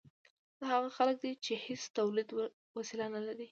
دا هغه خلک دي چې هیڅ تولیدي وسیله نلري.